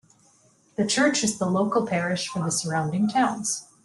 The church is the local parish for the surrounding towns.